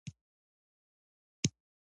افغانستان د منی له پلوه متنوع دی.